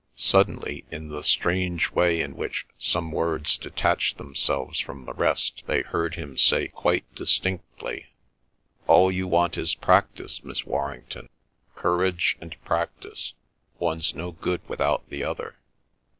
Suddenly, in the strange way in which some words detach themselves from the rest, they heard him say quite distinctly:— "All you want is practice, Miss Warrington; courage and practice—one's no good without the other."